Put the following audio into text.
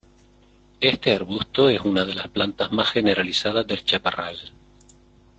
Este arbusto es una de las plantas más generalizadas del chaparral.